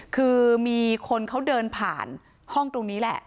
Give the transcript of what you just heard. คือมีคนเขาเดินผ่านห้องตรงนี้แหละ